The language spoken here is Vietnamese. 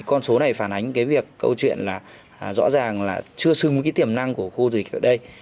con số này phản ánh cái việc câu chuyện là rõ ràng là chưa xứng với cái tiềm năng của khu du lịch ở đây